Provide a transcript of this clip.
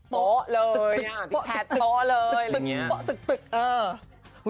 โป้เลยพี่แชทโป้เลยแบบนี้โป๊ตึกเออ